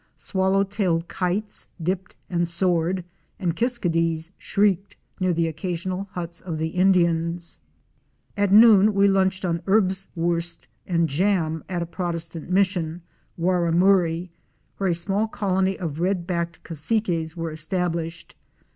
Swallow tailed Kites * dipped and soared and Kiskadees ™ shrieked near the occasional huts of the Indians. At noon we lunched on erbswurst and jam at a Protest ant Mission — Warramuri — where a small colony of Red backed Cassiques were established.